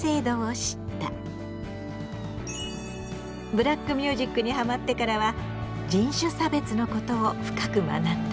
ブラックミュージックにハマってからは人種差別のことを深く学んだ。